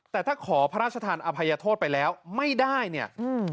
แต่ถ้าขอพระราชทานอภัยโทษไปแล้วไม่ได้เนี่ยอืม